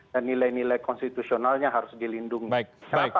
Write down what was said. dan nilai nilai konstitusionalnya harus dilindungi